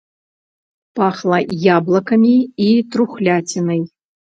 Пахла яблыкамі і трухляцінай.